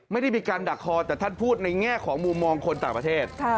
ไม่ได้มีการดักคอแต่ท่านพูดในแง่ของมุมมองคนต่างประเทศ